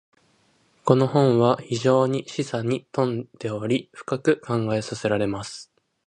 •この本は非常に示唆に富んでおり、深く考えさせられます。